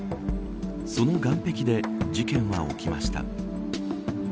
その岸壁で事件は起きました。